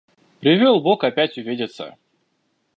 – Привел бог опять увидеться.